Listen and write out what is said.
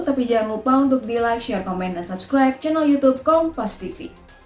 tapi jangan lupa untuk di like share komen dan subscribe channel youtube kompastv